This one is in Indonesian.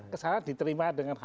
kesalahan diterima dengan hanya